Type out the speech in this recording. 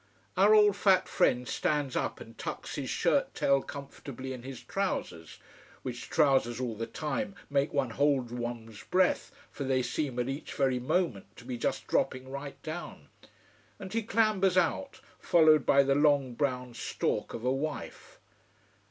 Our old fat friend stands up and tucks his shirt tail comfortably in his trousers, which trousers all the time make one hold one's breath, for they seem at each very moment to be just dropping right down: and he clambers out, followed by the long, brown stalk of a wife.